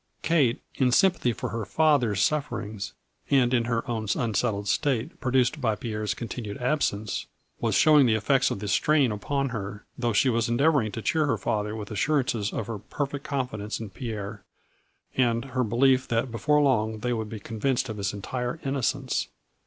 Kate, in sym pathy for her father's sufferings, and in her own unsettled state produced by Pierre's continued absence, was showing the effects of the strain upon her, though she was endeavoring to cheer her father with assurances of her perfect confi dence in Pierre, and her belief that before long they would be convinced of his entire inno cence.